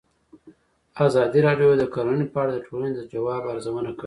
ازادي راډیو د کرهنه په اړه د ټولنې د ځواب ارزونه کړې.